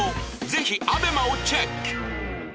ぜひ ＡＢＥＭＡ をチェック